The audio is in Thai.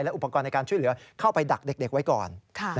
อุปกรณ์ในการช่วยเหลือเข้าไปดักเด็กไว้ก่อน